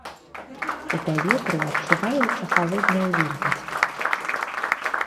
У паветры адчуваецца халодная вільгаць.